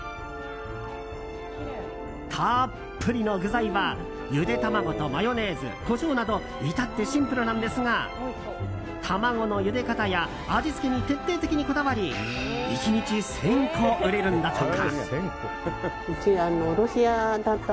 たっぷりの具材はゆで卵とマヨネーズコショウなど至ってシンプルなんですが卵のゆで方や味付けに徹底的にこだわり１日１０００個売れるんだとか。